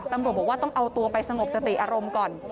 ตำรวจบอกว่าต้องเอาตัวไปสงบสติอารมณ์ก่อน